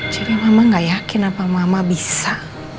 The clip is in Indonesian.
jadi mama gak yakin apa mama bisa